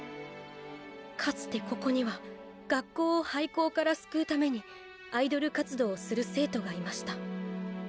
かつてここには学校を廃校から救うためにアイドル活動をする生徒がいました。